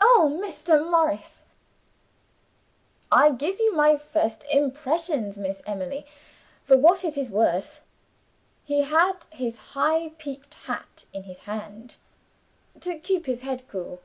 "Oh, Mr. Morris!" "I give you my first impression, Miss Emily, for what it is worth. He had his high peaked hat in his hand, to keep his head cool.